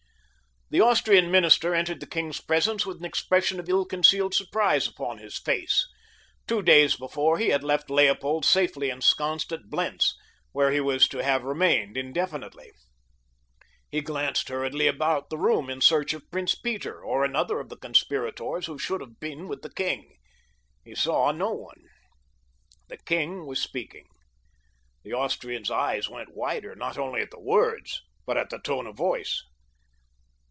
The Austrian minister entered the king's presence with an expression of ill concealed surprise upon his face. Two days before he had left Leopold safely ensconced at Blentz, where he was to have remained indefinitely. He glanced hurriedly about the room in search of Prince Peter or another of the conspirators who should have been with the king. He saw no one. The king was speaking. The Austrian's eyes went wider, not only at the words, but at the tone of voice.